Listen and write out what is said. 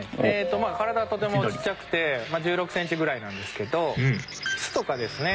体はとてもちっちゃくて１６センチぐらいなんですけど巣とかですね